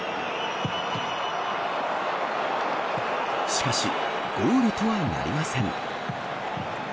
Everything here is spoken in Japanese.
しかし、ゴールとはなりません。